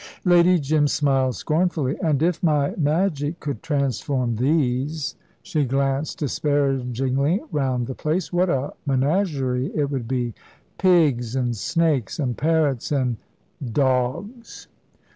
Lady Jim smiled scornfully. "And if my magic could transform these," she glanced disparagingly round the place, "what a menagerie it would be! Pigs, and snakes, and parrots, and " "Dogs."